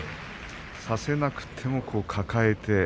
差せなくても抱えて